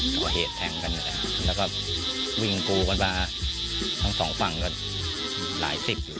ต่อเหตุกันเลยค่ะแล้วก็วิ่งกลูกันไปฮะทั้งสองฝั่งกันหลายสิบอยู่